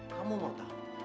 kamu mau tahu